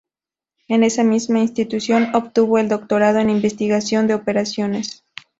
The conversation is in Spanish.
En esa misma Institución obtuvo el Doctorado en Investigación de Operaciones.